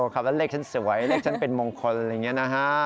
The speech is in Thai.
คำว่าเลขฉันสวยเลขฉันเป็นมงคลอะไรอย่างนี้นะฮะ